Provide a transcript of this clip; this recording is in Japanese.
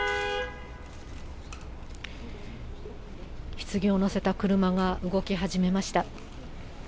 ひつぎを乗せた車が動き始めました。